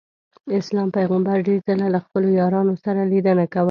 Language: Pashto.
اسلام پیغمبر ډېر ځله له خپلو یارانو سره لیدنه کوله.